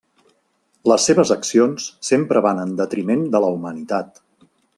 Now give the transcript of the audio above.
Les seves accions sempre van en detriment de la humanitat.